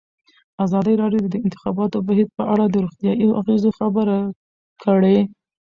ازادي راډیو د د انتخاباتو بهیر په اړه د روغتیایي اغېزو خبره کړې.